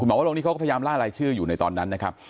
คุณหมอวะรงก็พยายามล่าลายชื่ออยู่ในตอนนั้นนะครับ